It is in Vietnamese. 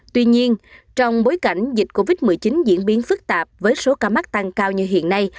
tuy nhiên trong bối cảnh dịch covid một mươi chín diễn biến phức tạp với số ca mắc tăng cao như hiện nay